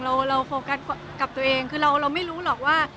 เราโฟกัสกับตัวเองคือเราไม่รู้หรอกว่า